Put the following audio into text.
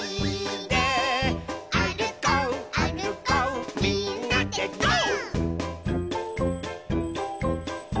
「あるこうあるこうみんなでゴー！」